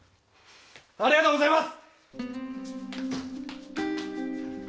ありがとうございます！